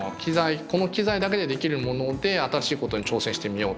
この機材だけでできるもので新しいことに挑戦してみようとか。